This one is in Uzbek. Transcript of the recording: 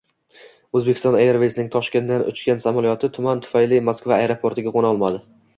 Uzbekistan Airways’ning Toshkentdan uchgan samolyoti tuman tufayli Moskva aeroportiga qo‘na olmadi